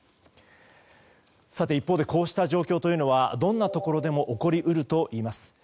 一方で、こうした状況というのはどんなところでも起こり得るといいます。